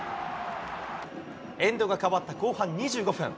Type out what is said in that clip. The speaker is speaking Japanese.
エンドが変わった後半２５分。